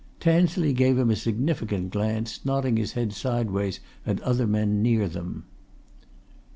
Tansley gave him a significant glance, nodding his head sideways at other men near them.